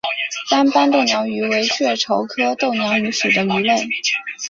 单斑豆娘鱼为雀鲷科豆娘鱼属的鱼类。